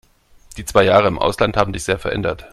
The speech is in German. Die zwei Jahre im Ausland haben dich sehr verändert.